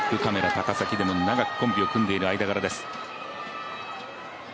高崎でも長くコンビを組んでいる間柄です。